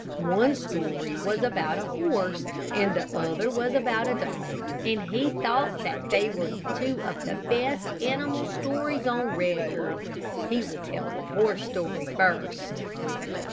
One story was about a horse, and the other was about a dog, and he thought that they were two of the best animal stories on record. He would tell the horse story first.